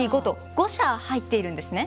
５社入っているんですね。